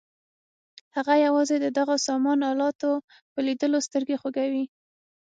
هغه یوازې د دغو سامان الاتو په لیدلو سترګې خوږوي.